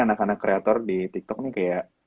anak anak kreator di tiktok nih kayak